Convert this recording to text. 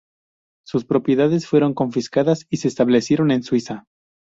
Sus propiedades fueron confiscadas y se establecieron en Suiza.